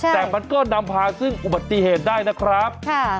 แต่มันก็นำพาซึ่งอุบัติเหตุได้นะครับ